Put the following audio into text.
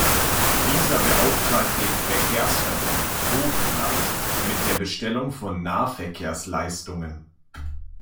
Dieser beauftragt den Verkehrsverbund Vogtland mit der Bestellung von Nahverkehrsleistungen.